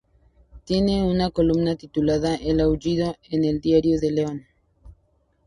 Tiene una columna titulada "El aullido" en el "Diario de León".